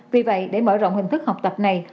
vì vậy để mở rộng hình thức học tập này